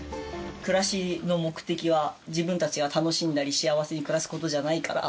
暮らしの目的は自分たちが楽しんだり幸せに暮らす事じゃないから。